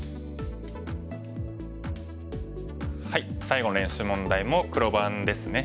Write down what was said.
最後の練習問題も黒番ですね。